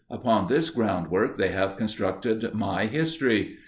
upon this groundwork they have constructed my history.